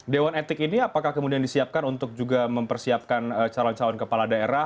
dewan etik ini apakah kemudian disiapkan untuk juga mempersiapkan calon calon kepala daerah